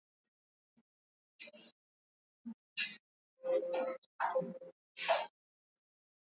mwenyewe kuanzia ile ya ubatizo kiwaongoze ndani ya Kanisa katika